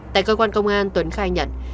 tại cơ quan công an tuấn khai nhận